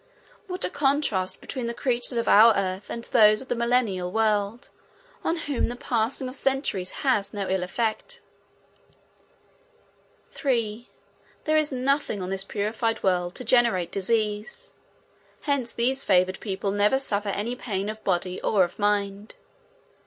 What a contrast between the creatures of our Earth and those of the Millennial world on whom the passing of centuries has no ill effect. 3. There is nothing on this purified world to generate disease; hence these favored people never suffer any pain of body or of mind.